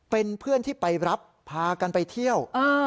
เป็นเพื่อนที่ไปรับพากันไปเที่ยว